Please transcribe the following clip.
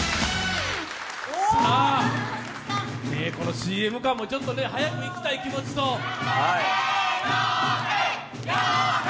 ＣＭ間も、早くいきたい気持ちと亮平！